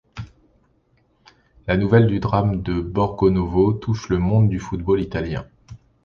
La nouvelle du drame de Borgonovo touche le monde du football italien.